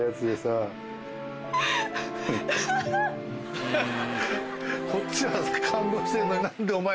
ハハハ！